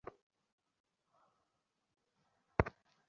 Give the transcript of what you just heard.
এখন তোমাদের অস্ত্র সংগ্রহ করো।